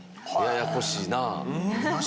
ややこしいな。